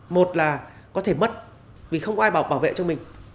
một là có thể mất vì không có ai bảo vệ cho mình